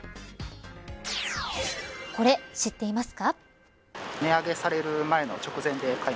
これ、知っていますか。